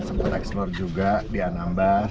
sempat eksplor juga di anambas